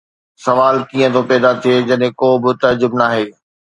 سوال ڪيئن ٿو پيدا ٿئي جڏهن ڪو به تعجب ناهي؟